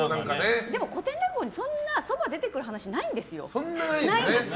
でも、古典落語にそんなにそばが出てくる噺ないんですよね。